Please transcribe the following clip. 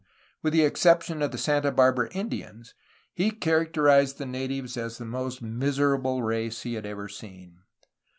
With the exception of the Santa Barbara Indians he characterized the natives as the most miserable race he had ever seen.